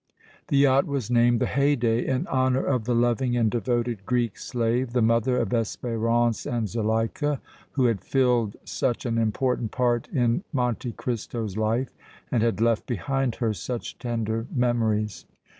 The yacht was named the Haydée in honor of the loving and devoted Greek slave, the mother of Espérance and Zuleika, who had filled such an important part in Monte Cristo's life and had left behind her such tender memories.